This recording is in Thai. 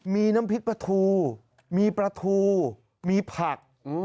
มีน้ำพริกปลาทูมีปลาทูมีผัก